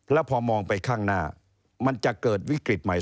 แล้วพอมองไปข้างหน้ามันจะเกิดวิกฤตใหม่